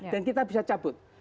dan kita bisa cabut